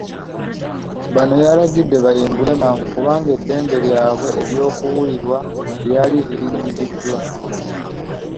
Bano yalagidde bayimbulwe mangu kubanga eddembe lyabwe ery'okuwulirwa lyali lirinyiriddwa.